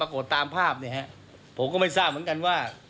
ตามภาพเนี่ยฮะผมก็ไม่ทราบเหมือนกันว่า